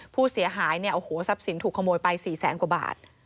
ผู้เสียหายเนี่ยโอ้โหทรัพย์สินถูกขโมยไป๔แสนกว่าบาท